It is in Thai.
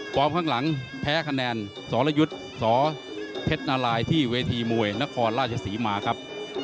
ข้างหลังแพ้คะแนนสรยุทธ์สเพชรนารายที่เวทีมวยนครราชศรีมาครับ